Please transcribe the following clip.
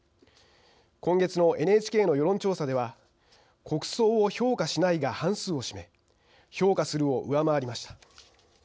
今月のＮＨＫの世論調査では国葬を「評価しない」が半数を占め「評価する」を上回りました。